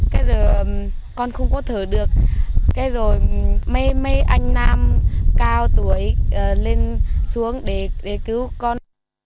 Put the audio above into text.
cái rồi con không có thở được cái rồi mấy anh nam cao tuổi lên xuống để cứu con